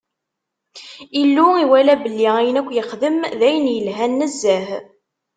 Illu iwala belli ayen akk yexdem d ayen yelhan nezzeh.